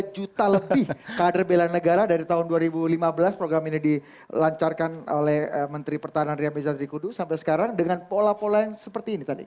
tiga juta lebih kader belan negara dari tahun dua ribu lima belas program ini dilancarkan oleh menteri pertahanan ria miza trikudu sampai sekarang dengan pola pola yang seperti ini tadi